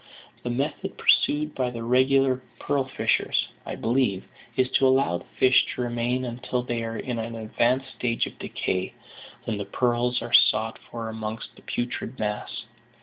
The method pursued by the regular pearl fishers, I believe, is to allow the fish to remain until they are in an advanced stage of decay, when the pearls are sought for amongst the putrid mass.